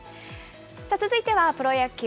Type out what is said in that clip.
続いてはプロ野球。